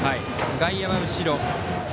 外野は後ろ。